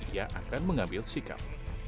ia akan mengambil sikap